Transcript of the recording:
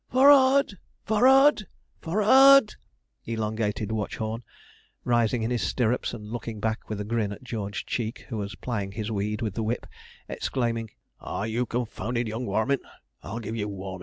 'F o o o r r a r d! f o o o r r a r d! f o o o r r a r d!' elongated Watchorn, rising in his stirrups, and looking back with a grin at George Cheek, who was plying his weed with the whip, exclaiming, 'Ah, you confounded young warmint, I'll give you a warmin'!